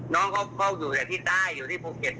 น้องเขาก็อยู่แต่ที่ใต้อยู่ที่ภูเก็ต